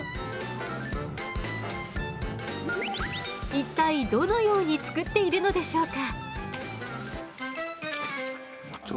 一体どのように作っているのでしょうか？